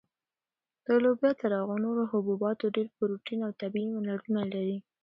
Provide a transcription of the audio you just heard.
دا لوبیا تر هغو نورو حبوباتو ډېر پروټین او طبیعي منرالونه لري.